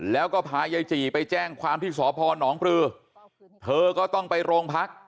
แล้วก็พายายจีไปแจ้งความที่สพนปลือเธอก็ต้องไปโรงพัก